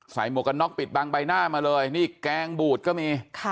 ใส่หมวกนอกปิดบางใบหน้ามาเลยนี่แกงบูดก็มีค่ะ